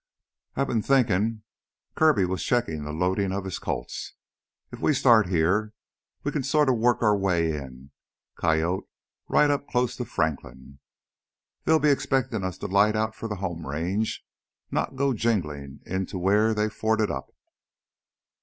"I've been thinkin' " Kirby was checking the loading of his Colts "if we start heah, we can sorta work our way in, coyote right up close to Franklin. They'll be expectin' us to light out for the home range, not go jinglin' in to wheah they've forted up.